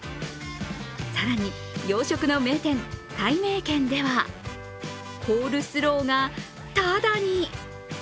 更に、洋食の名店たいめいけんではコールスローが、ただに。